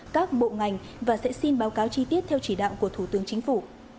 các bộ ngành và sẽ xin báo cáo chi tiết theo chỉ đạo của thủ tướng chính phủ